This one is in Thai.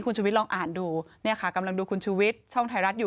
คุณชุวิตลองอ่านดูเนี่ยค่ะกำลังดูคุณชุวิตช่องไทยรัฐอยู่